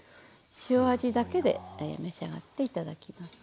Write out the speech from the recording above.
塩味だけで召し上がって頂きます。